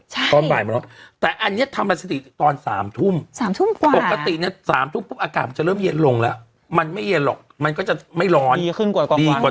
ตอนบ่ายมันร้อนแต่อันนี้ธรรมสติตอน๓ทุ่ม๓ทุ่มกว่าปกติเนี่ย๓ทุ่มปุ๊บอากาศมันจะเริ่มเย็นลงแล้วมันไม่เย็นหรอกมันก็จะไม่ร้อนดีกว่า